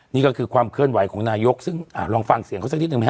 นี่ก็คือความเคลื่อนไหวของนายกซึ่งลองฟังเสียงเขาสักนิดหนึ่งไหมฮ